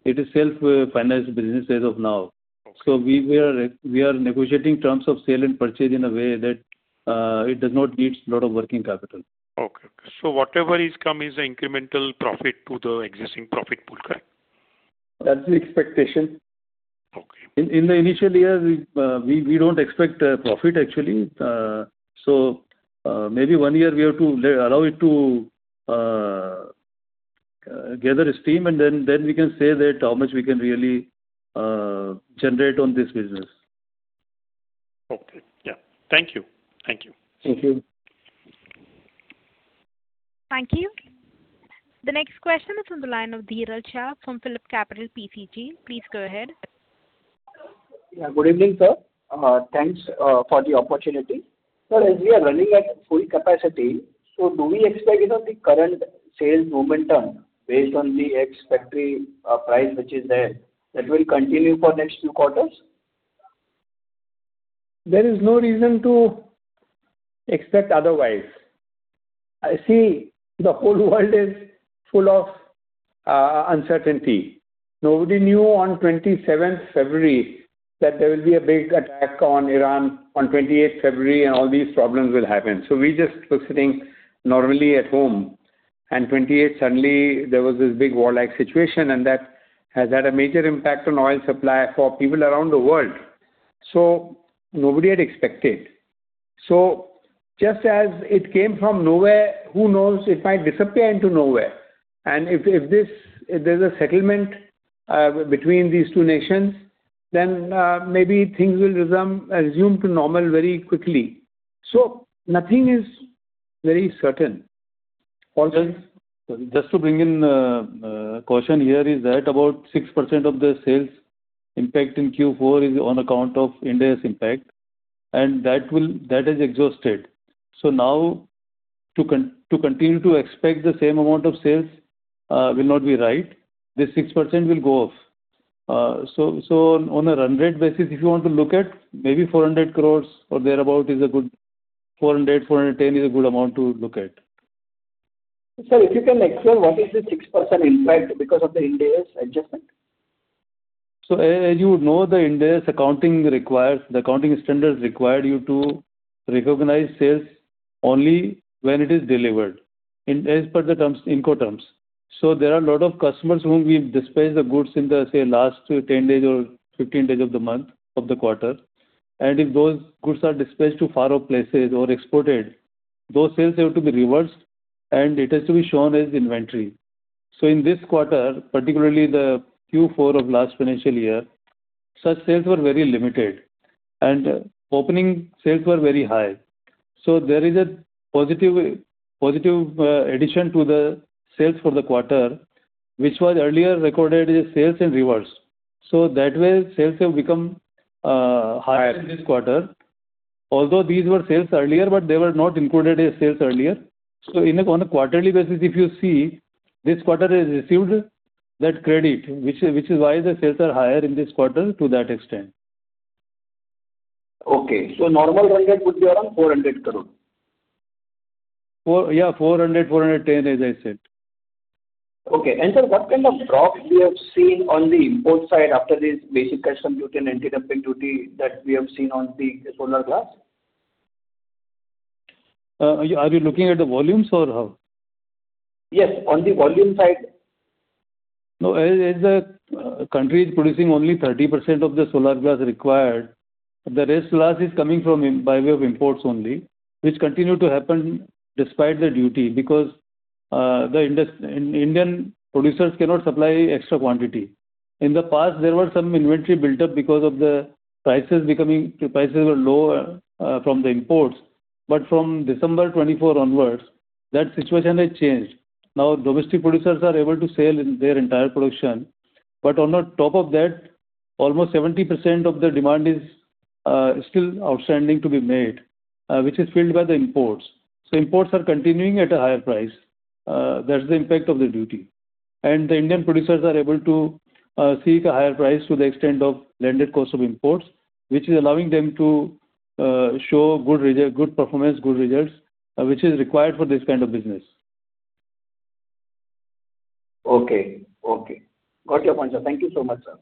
it is self-financed business as of now. Okay. We are negotiating terms of sale and purchase in a way that it does not need lot of working capital. Okay. Whatever is come is incremental profit to the existing profit pool, correct? That's the expectation. Okay. In the initial year, we don't expect profit actually. Maybe one year we have to allow it to gather steam, and then we can say that how much we can really generate on this business. Okay. Yeah. Thank you. Thank you. Thank you. Thank you. The next question is on the line of Dhiral Shah from PhillipCapital PCG. Please go ahead. Yeah, good evening, sir. Thanks for the opportunity. Sir, as we are running at full capacity, do we expect, you know, the current sales momentum based on the ex-factory, price which is there, that will continue for next few quarters? There is no reason to expect otherwise. See, the whole world is full of uncertainty. Nobody knew on February 27th that there will be a big attack on Iran on February 28th and all these problems will happen. We just were sitting normally at home, and 28th suddenly there was this big warlike situation, and that has had a major impact on oil supply for people around the world. Nobody had expected. Just as it came from nowhere, who knows, it might disappear into nowhere. If there's a settlement between these two nations, then maybe things will resume to normal very quickly. Nothing is very certain. Paul, just, sorry, just to bring in caution here is that about 6% of the sales impact in Q4 is on account of Ind AS impact, and that is exhausted. Now to continue to expect the same amount of sales will not be right. This 6% will go off. So on a run rate basis, if you want to look at maybe 400 crore or thereabout is a good, 400, 410 is a good amount to look at. Sir, if you can explain what is the 6% impact because of the Ind AS adjustment? As you would know, the Ind AS accounting requires, the accounting standards require you to recognize sales only when it is delivered as per the terms, Incoterms. There are a lot of customers whom we have dispatched the goods in the, say, last 10 days or 15 days of the month of the quarter. And if those goods are dispatched to far off places or exported, those sales have to be reversed and it has to be shown as inventory. In this quarter, particularly the Q4 of last financial year, such sales were very limited and opening sales were very high. There is a positive addition to the sales for the quarter, which was earlier recorded as sales in reverse. That way, sales have become higher- Higher. -in this quarter. Although these were sales earlier, they were not included as sales earlier. On a quarterly basis, if you see, this quarter has received that credit, which is why the sales are higher in this quarter to that extent. Okay. Normal run rate would be around 400 crore. INR 4, yeah, 400, 410, as I said. Okay. Sir, what kind of drop you have seen on the import side after this basic custom duty and anti-dumping duty that we have seen on the solar glass? Are you looking at the volumes or how? Yes, on the volume side. No, as the country is producing only 30% of the solar glass required, the rest glass is coming by way of imports only, which continue to happen despite the duty because the Indian producers cannot supply extra quantity. In the past, there were some inventory built up because of the prices were lower from the imports. From December 2024 onwards, that situation has changed. Now domestic producers are able to sell their entire production. On top of that, almost 70% of the demand is still outstanding to be made, which is filled by the imports. Imports are continuing at a higher price. That's the impact of the duty. The Indian producers are able to seek a higher price to the extent of landed cost of imports, which is allowing them to show good performance, good results, which is required for this kind of business. Okay. Okay. Got your point, sir. Thank you so much, sir.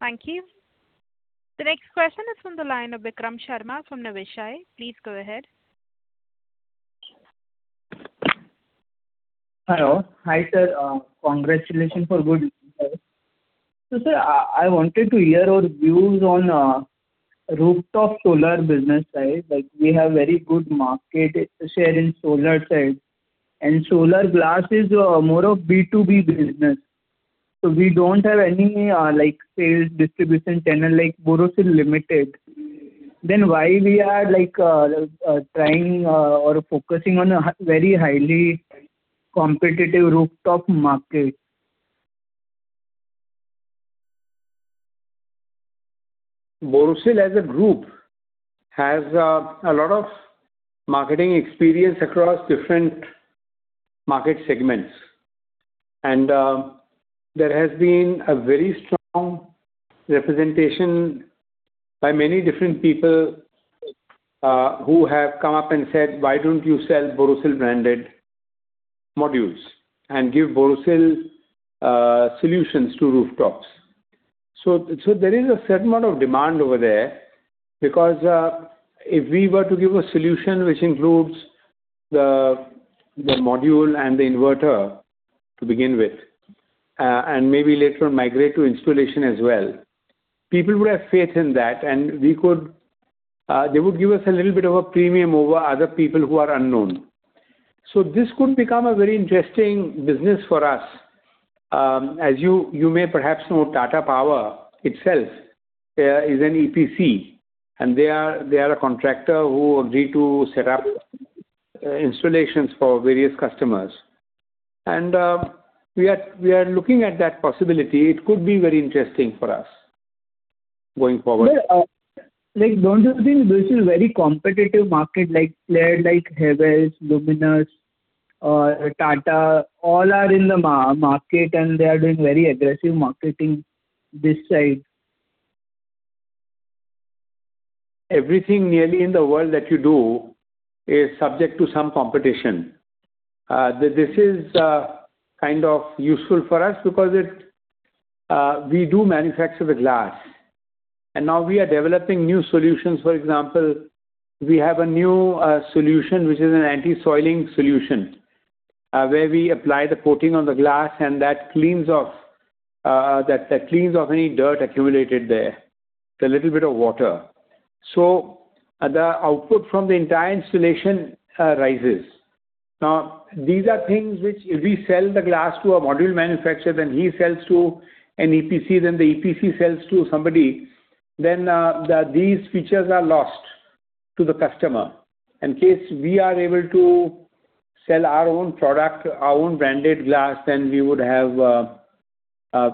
Thank you. The next question is from the line of Vikram Sharma from Niveshaay. Please go ahead. Hello. Hi, sir. Congratulations for good results. Sir, I wanted to hear your views on rooftop solar business side. Like we have very good market share in solar side, and solar glass is more of B2B business. We don't have any like sales distribution channel like Borosil Limited. Why we are like trying or focusing on a very highly competitive rooftop market? Borosil as a group has a lot of marketing experience across different market segments. There has been a very strong representation by many different people who have come up and said, "Why don't you sell Borosil branded modules and give Borosil solutions to rooftops?" There is a certain amount of demand over there because if we were to give a solution which includes the module and the inverter to begin with, and maybe later migrate to installation as well, people would have faith in that and they would give us a little bit of a premium over other people who are unknown. This could become a very interesting business for us. As you may perhaps know, Tata Power itself is an EPC, and they are a contractor who agree to set up installations for various customers. We are looking at that possibility. It could be very interesting for us going forward. Sir, like don't you think this is very competitive market, like player like Havells, Luminous or Tata, all are in the market and they are doing very aggressive marketing this side? Everything nearly in the world that you do is subject to some competition. This is kind of useful for us because we do manufacture the glass. Now we are developing new solutions. For example, we have a new solution which is an anti-soiling solution, where we apply the coating on the glass and that cleans off any dirt accumulated there with a little bit of water. The output from the entire installation rises. These are things which if we sell the glass to a module manufacturer, then he sells to an EPC, then the EPC sells to somebody, then these features are lost to the customer. In case we are able to sell our own product, our own branded glass, then we would have,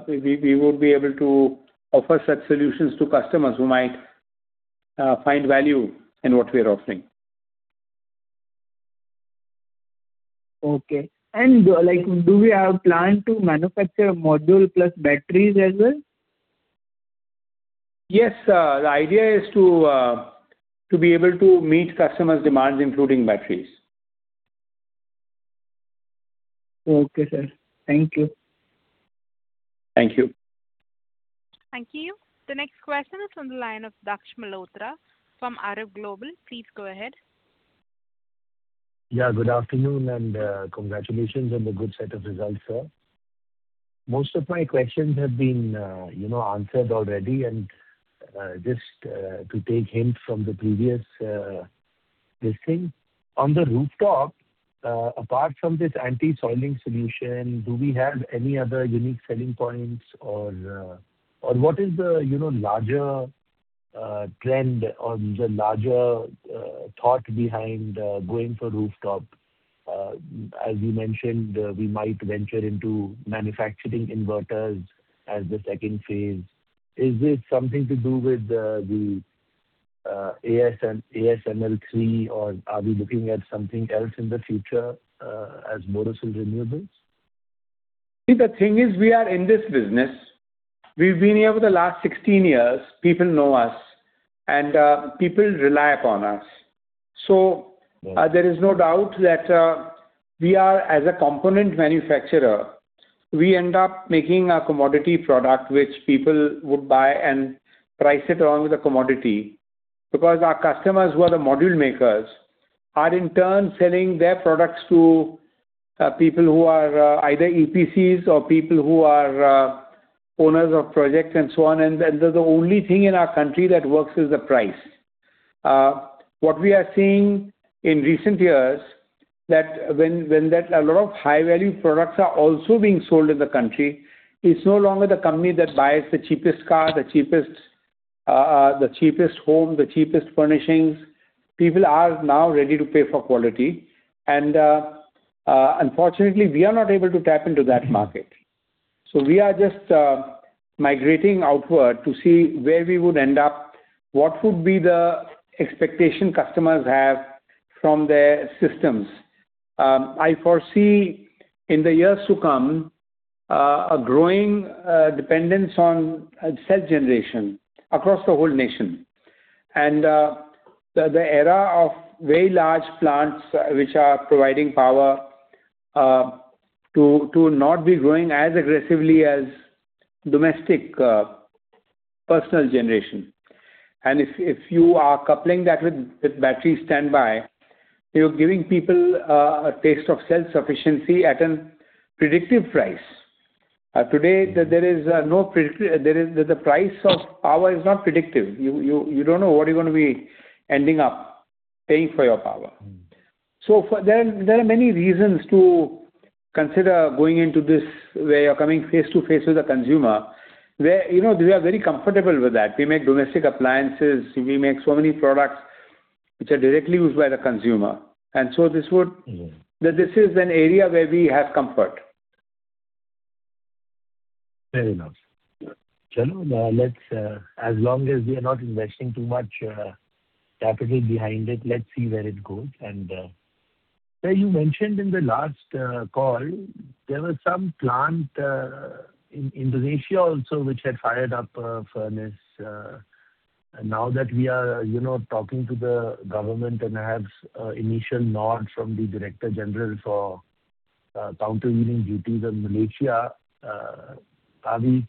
we would be able to offer such solutions to customers who might find value in what we are offering. Okay. Like do we have plan to manufacture module plus batteries as well? Yes. The idea is to be able to meet customers' demands, including batteries. Okay, sir. Thank you. Thank you. Thank you. The next question is from the line of Daksh Malhotra from Aadriv Global. Please go ahead. Yeah, good afternoon, congratulations on the good set of results, sir. Most of my questions have been, you know, answered already, just to take hint from the previous This thing. On the rooftop, apart from this anti-soiling solution, do we have any other unique selling points or what is the, you know, larger trend or the larger thought behind going for rooftop? As you mentioned, we might venture into manufacturing inverters as the second phase. Is this something to do with the ALMM III, or are we looking at something else in the future as Borosil Renewables? See, the thing is we are in this business. We've been here for the last 16 years. People know us, and people rely upon us. There is no doubt that we are as a component manufacturer, we end up making a commodity product which people would buy and price it along with the commodity. Because our customers, who are the module makers, are in turn selling their products to people who are either EPCs or people who are owners of projects and so on. The only thing in our country that works is the price. What we are seeing in recent years, that when that a lot of high value products are also being sold in the country, it's no longer the company that buys the cheapest car, the cheapest home, the cheapest furnishings. People are now ready to pay for quality and, unfortunately, we are not able to tap into that market. We are just migrating outward to see where we would end up, what would be the expectation customers have from their systems. I foresee in the years to come, a growing dependence on self-generation across the whole nation. The era of very large plants which are providing power, to not be growing as aggressively as domestic personal generation. If you are coupling that with battery standby, you're giving people a taste of self-sufficiency at an predictive price. Today there is the price of power is not predictive. You don't know what you're gonna be ending up paying for your power. There are many reasons to consider going into this, where you're coming face to face with the consumer, where, you know, we are very comfortable with that. We make domestic appliances. We make so many products which are directly used by the consumer. This is an area where we have comfort. Fair enough. [Chalo], let's, as long as we are not investing too much capital behind it, let's see where it goes. Sir, you mentioned in the last call there was some plant in Indonesia also, which had fired up a furnace. Now that we are, you know, talking to the government and have initial nod from the Director General for countervailing duties on Malaysia, are we,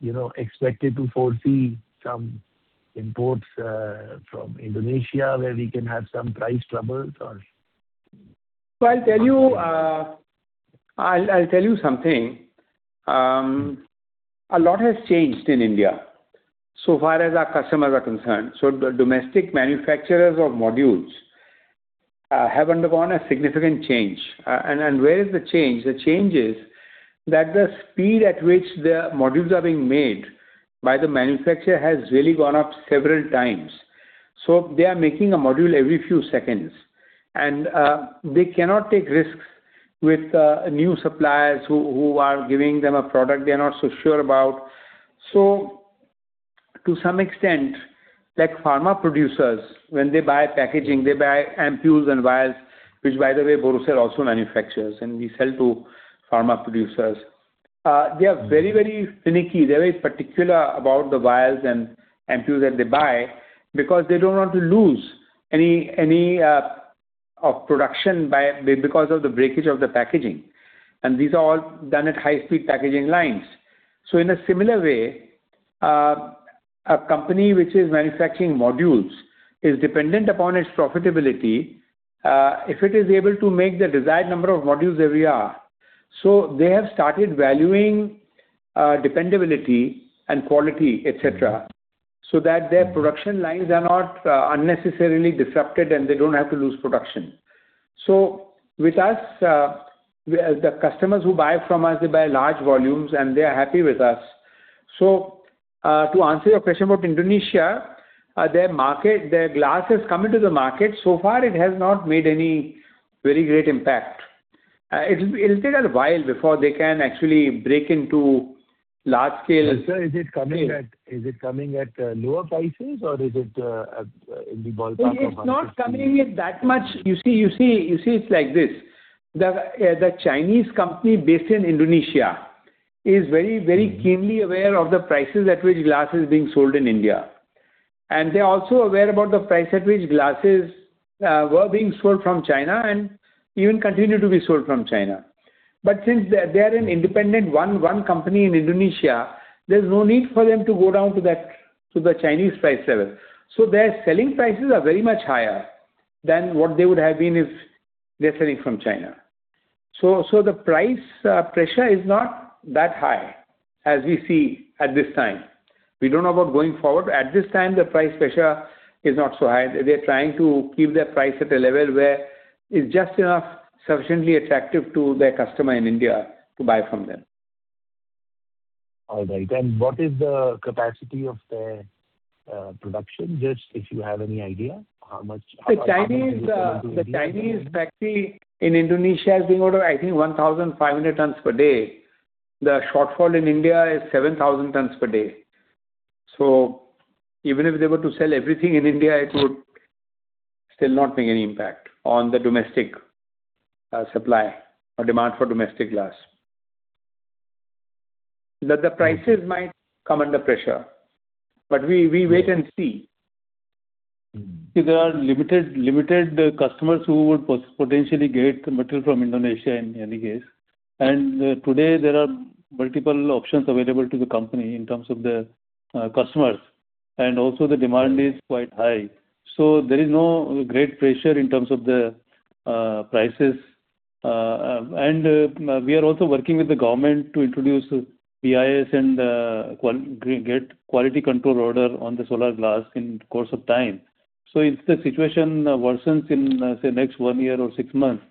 you know, expected to foresee some imports from Indonesia where we can have some price troubles or? I'll tell you something. A lot has changed in India so far as our customers are concerned. The domestic manufacturers of modules have undergone a significant change. And where is the change? The change is that the speed at which the modules are being made by the manufacturer has really gone up several times. They are making a module every few seconds. They cannot take risks with new suppliers who are giving them a product they're not so sure about. To some extent, like pharma producers, when they buy packaging, they buy ampoules and vials, which by the way Borosil also manufactures, and we sell to pharma producers. They are very finicky. They're very particular about the vials and ampoules that they buy because they don't want to lose any of production because of the breakage of the packaging. And these are all done at high speed packaging lines. In a similar way, a company which is manufacturing modules is dependent upon its profitability if it is able to make the desired number of modules every hour. They have started valuing dependability and quality, et cetera, so that their production lines are not unnecessarily disrupted and they don't have to lose production. With us, the customers who buy from us, they buy large volumes, and they are happy with us. To answer your question about Indonesia, their market, their glass has come into the market. So far it has not made any very great impact. It'll take a while before they can actually break into large scale. Sir, is it coming at lower prices or is it in the ballpark of? It's not coming at that much. You see, it's like this. The Chinese company based in Indonesia is very keenly aware of the prices at which glass is being sold in India. They're also aware about the price at which glass were being sold from China and even continue to be sold from China. Since they are an independent company in Indonesia, there's no need for them to go down to that, to the Chinese price level. Their selling prices are very much higher than what they would have been if they're selling from China. The price pressure is not that high as we see at this time. We don't know about going forward. At this time, the price pressure is not so high. They're trying to keep their price at a level where it's just enough sufficiently attractive to their customer in India to buy from them. All right. What is the capacity of their production? Just if you have any idea how much? The Chinese, the Chinese factory in Indonesia has been order, I think 1,500 tons/day. The shortfall in India is 7,000 tons/day. Even if they were to sell everything in India, it would still not make any impact on the domestic supply or demand for domestic glass. The prices might come under pressure, but we wait and see. There are limited customers who would potentially get the material from Indonesia in any case. Today there are multiple options available to the company in terms of the customers, and also the demand is quite high. There is no great pressure in terms of the prices. We are also working with the government to introduce BIS and get quality control order on the solar glass in course of time. If the situation worsens in, say, next one year or six months,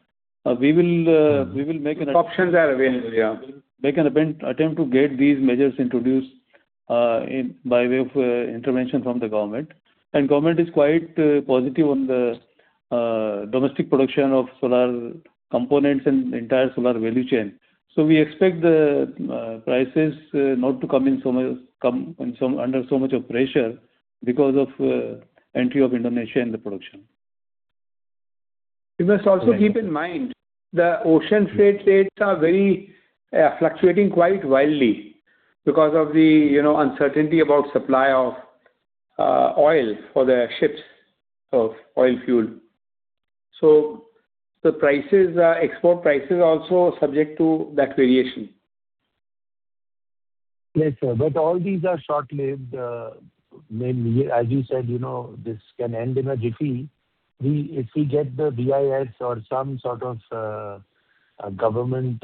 we will make an- Options are available, yeah. Make an attempt to get these measures introduced in by way of intervention from the government. Government is quite positive on the domestic production of solar components and entire solar value chain. We expect the prices not to come under so much of pressure because of entry of Indonesia in the production. You must also keep in mind the ocean freight rates are very fluctuating quite wildly because of the, you know, uncertainty about supply of oil for their ships, of oil fuel. The export prices are also subject to that variation. Yes, sir. All these are short-lived, maybe. As you said, you know, this can end in a jiffy. We, if we get the BIS or some sort of a government,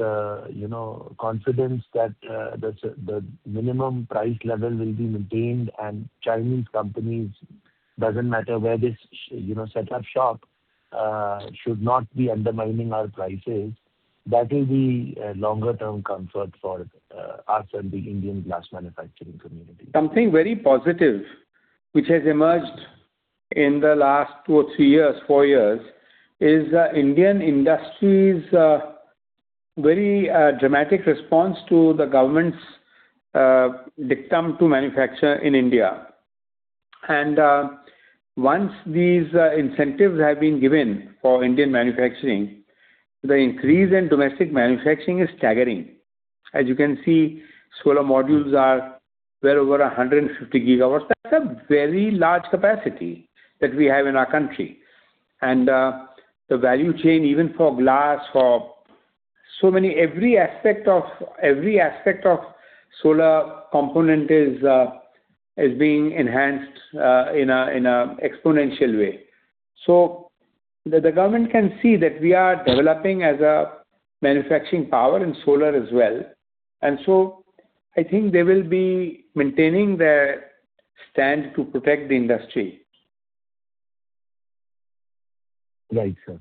you know, confidence that the minimum price level will be maintained and Chinese companies, doesn't matter where they you know, set up shop, should not be undermining our prices. That will be a longer term comfort for us and the Indian glass manufacturing community. Something very positive which has emerged in the last two or three years, four years, is that Indian industry's very dramatic response to the government's dictum to manufacture in India. Once these incentives have been given for Indian manufacturing, the increase in domestic manufacturing is staggering. As you can see, solar modules are well over 150 GW. That's a very large capacity that we have in our country. The value chain, even for glass, every aspect of solar component is being enhanced in an exponential way. The government can see that we are developing as a manufacturing power in solar as well. I think they will be maintaining their stand to protect the industry. Right, sir.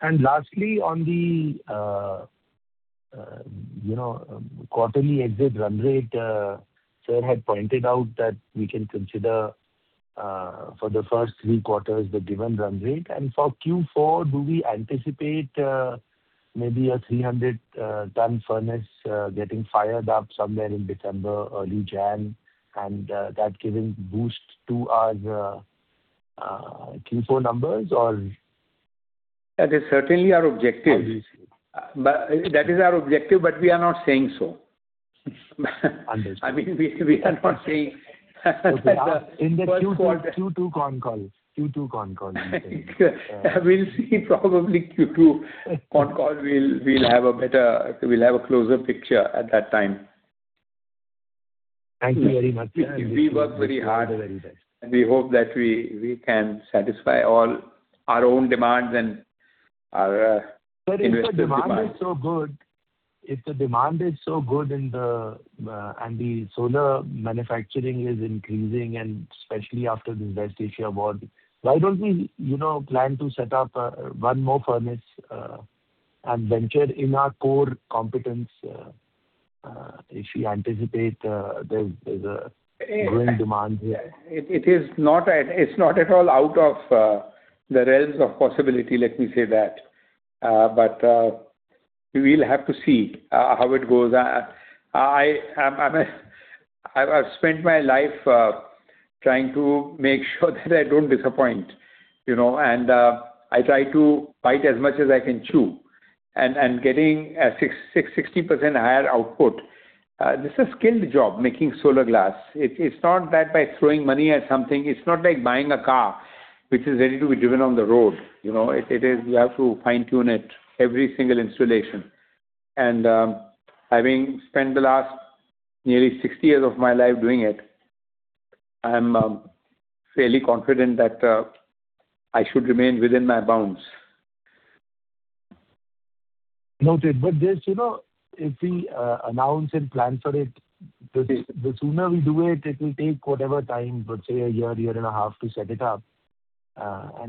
Lastly, on the, you know, quarterly exit run rate, sir had pointed out that we can consider for the first three quarters the given run rate. For Q4, do we anticipate maybe a 300 ton furnace getting fired up somewhere in December, early January, and that giving boost to our Q4 numbers or? That is certainly our objective. Obviously. That is our objective, but we are not saying so. Understood. I mean, we are not saying. Okay. In the Q2 con call. Q2 con call. We'll see. Probably Q2 con call we'll have a better, we'll have a closer picture at that time. Thank you very much, sir. We work very hard. All the very best. We hope that we can satisfy all our own demands and our investor demands. Sir, if the demand is so good in the and the solar manufacturing is increasing, and especially after this West Asia war, why don't we, you know, plan to set up one more furnace and venture in our core competence, if we anticipate there's a growing demand here? It is not at all out of the realms of possibility, let me say that. We'll have to see how it goes. I've spent my life trying to make sure that I don't disappoint, you know. I try to bite as much as I can chew. Getting a 60% higher output, this is skilled job, making solar glass. It's not that by throwing money at something. It's not like buying a car which is ready to be driven on the road, you know. It is, you have to fine-tune it every single installation. Having spent the last nearly 60 years of my life doing it, I'm fairly confident that I should remain within my bounds. Noted. there's, you know, if we announce and plan for it, the sooner we do it will take whatever time, let's say a year and a half to set it up.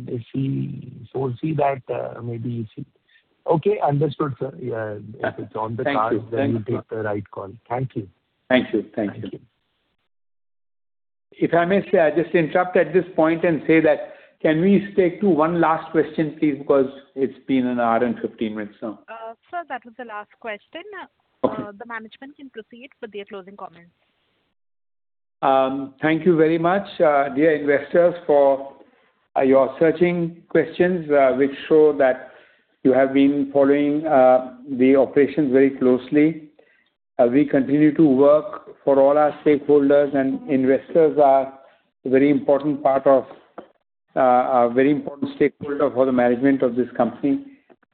if we foresee that, maybe you see. Okay. Understood, sir. Yeah. If it's on the cards. Thank you. Thank you, sir. You'll take the right call. Thank you. Thank you. Thank you. Thank you. If I may, sir, just interrupt at this point and say that can we stick to one last question, please, because it's been an hour and 15 minutes now. Sir, that was the last question. Okay. The management can proceed with their closing comments. Thank you very much, dear investors for your searching questions, which show that you have been following the operations very closely. We continue to work for all our stakeholders, and investors are very important part of a very important stakeholder for the management of this company.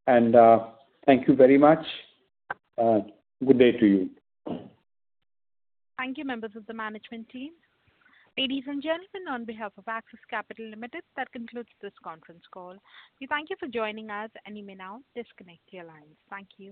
Thank you very much. Good day to you. Thank you, members of the management team. Ladies and gentlemen, on behalf of Axis Capital Limited, that concludes this conference call. We thank you for joining us, and you may now disconnect your lines. Thank you.